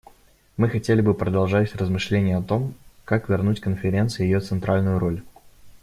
Мы хотели бы продолжать размышления о том, как вернуть Конференции ее центральную роль.